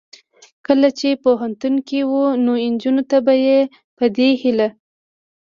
کله چې پوهنتون کې و نو نجونو ته به یې په دې هیله